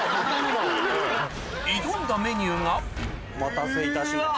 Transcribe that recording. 挑んだメニューがお待たせいたしました。